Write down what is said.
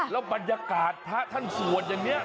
แล้วบรรยากาศพระท่านสวดอย่างนี้